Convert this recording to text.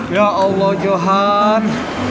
ya allah johan